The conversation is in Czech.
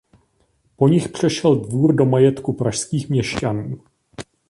Po nich přešel dvůr do majetku pražských měšťanů.